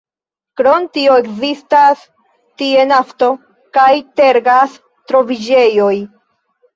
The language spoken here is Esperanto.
Krom tio ekzistas tie nafto- kaj tergas-troviĝejoj.